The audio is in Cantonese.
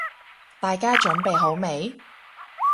大家準備好未？